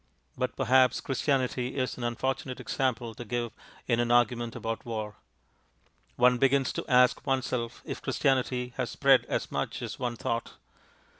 But perhaps Christianity is an unfortunate example to give in an argument about war; one begins to ask oneself if Christianity has spread as much as one thought.